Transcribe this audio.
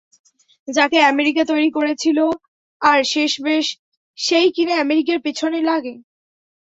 যাকে আমেরিকা তৈরি করেছিল, আর শেষমেষ, সেই কিনা আমেরিকার পেছনে লাগে।